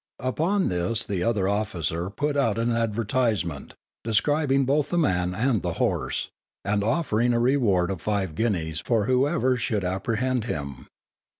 Upon this the other officer put out an advertisement, describing both the man and the horse, and offering a reward of five guineas for whoever should apprehend him.